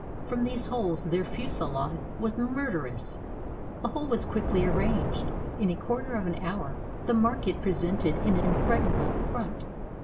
From these holes their fusillade was murderous. The whole was quickly arranged. In a quarter of an hour the market pre sented an impregnable front.